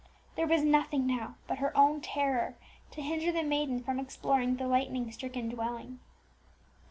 There was nothing now but her own terror to hinder the maiden from exploring the lightning stricken dwelling.